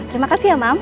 terima kasih ya mam